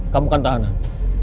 kamu kan tahanan